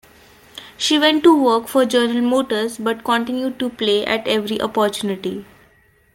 She went to work for General Motors but continued to play at every opportunity.